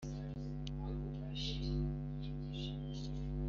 Abahungu ntibahumbira urwa Mirabyo*